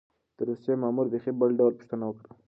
د روسيې مامور بېخي بل ډول پوښتنه وکړه.